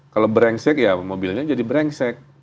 kalau brengsek ya mobilnya jadi berengsek